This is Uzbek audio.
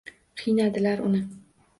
Qiynadilar uni